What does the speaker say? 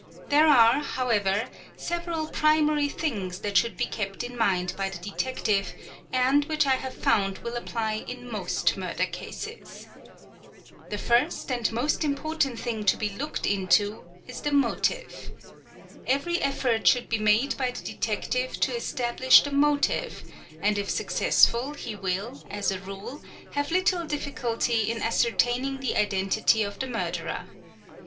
There are, however, several primary things that should be kept in mind by the detective, and which I have found will apply in most murder cases. The first and most important thing to be looked into is the motive. Every effort should be made by the detective to establish the motive, and if successful he will, as a rule, have little difficulty in ascertaining the identity of the murderer.